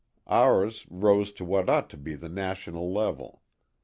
Ours rose to what ought to be the national level.